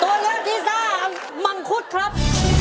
ตัวเลือกที่สามมังคุดครับ